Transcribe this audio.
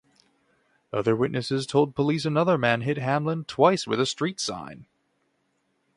Other witnesses told police another man hit Hamlin twice with a street sign.